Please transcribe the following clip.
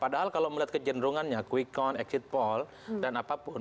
padahal kalau melihat kejendrungannya quickon exit poll dan apapun